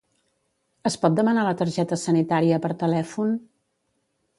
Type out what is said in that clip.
Es pot demanar la targeta sanitària per telèfon?